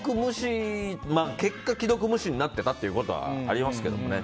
結果、既読無視になってたということはありますけどね。